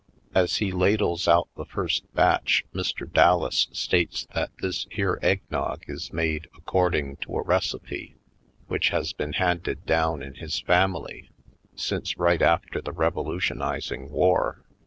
As he ladles out the first batch Mr. Dallas states that this here egg nog is made according to a recipe which has been handed down in his family since right after the Revolutionizing War.